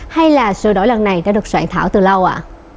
hay là sửa đổi lần này đã được soạn thảo từ lâu ạ